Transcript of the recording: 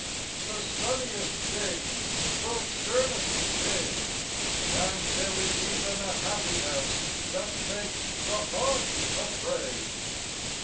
The sunniest things throw sternest shade, And there is ev'n a happiness That makes the heart afraid!